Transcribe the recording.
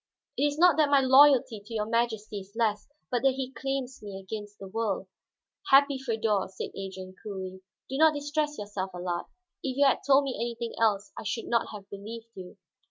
It is not that my loyalty to your Majesty is less, but that he claims me against the world." "Happy Feodor," said Adrian coolly. "Do not distress yourself, Allard; if you had told me anything else I should not have believed you.